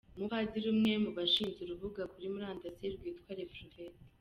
Umupadiri umwe mubashinze urubuga kuri murandasi rwitwa Le prophete.